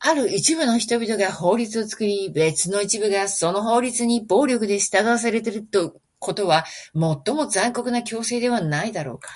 ある一部の人々が法律を作り、別の一部がその法律に暴力で従わされることは、最も残酷な強制ではないだろうか？